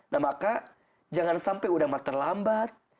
nah maka jangan sampai udah matang lambat